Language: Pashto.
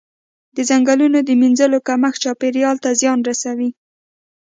د ځنګلونو د مینځلو کمښت چاپیریال ته زیان رسوي.